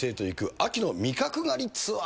秋の味覚狩りツアー。